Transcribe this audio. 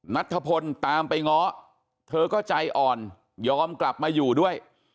นัทธพลตามไปง้อเธอก็ใจอ่อนยอมกลับมาอยู่ด้วย